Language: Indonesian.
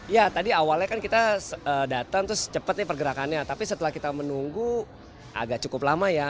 ya tadi awalnya kan kita datang terus cepat nih pergerakannya tapi setelah kita menunggu agak cukup lama ya